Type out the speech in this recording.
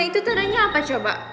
itu tadanya apa coba